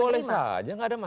boleh boleh saja gak ada masalah